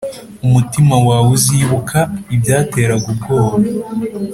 Umutima wawe uzibuka ibyateraga ubwoba